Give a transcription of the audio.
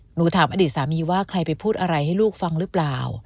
หนูถามอดีตสามีว่าใครไปพูดอะไรให้ลูกฟังหรือเปล่า